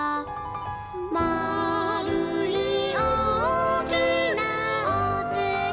「まるいおおきなおつきさま」